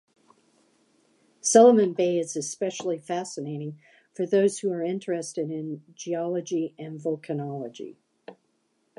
Sullivan Bay is especially fascinating for those who are interested in geology and volcanology.